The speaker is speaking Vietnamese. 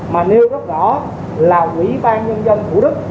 mà nêu rất rõ là quỹ ban nhân dân thủ đức